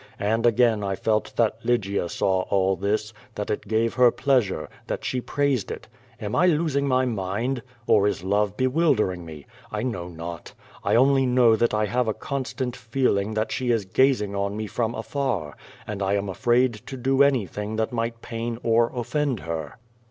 And again I felt that Lygia saw all this, that it gave her pleasure, that she praised it. Am I losing my mind? Or is love bewilder ing me? I know not. I only know I have a constant feel ing that she is gazing on me from afar, and I am afraid to do anything that might pain or offend her.